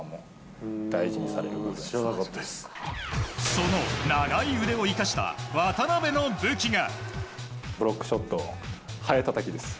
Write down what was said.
その長い腕を生かした渡邊の武器が。